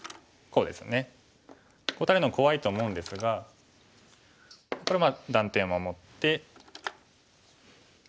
こう打たれるのは怖いと思うんですがこれ断点を守って黒も守って。